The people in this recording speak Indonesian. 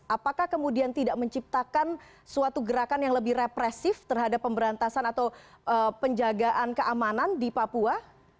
apakah kemudian tidak menciptakan suatu gerakan yang lebih represif terhadap pemberantasan atau penjagaan keamanan di papua